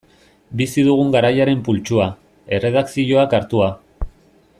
Bizi dugun garaiaren pultsua, erredakzioak hartua.